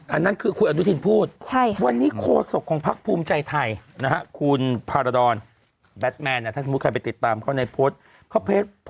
อันนั้นคือคุณอนุทินพูดวันนี้โครสกของพักภูมิใจไทยคุณพาราดอลแบทแมนถ้าสมมุติใครไปติดตามเขาในโพสต์